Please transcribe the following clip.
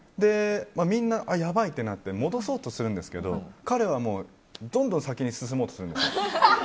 みんな、やばいってなって戻そうとするんですけど彼は、どんどん先に進もうとするんですよ。